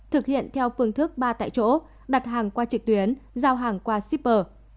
thực hiện theo phương thức ba tại chỗ đặt hàng qua trực tuyến giao hàng qua shipper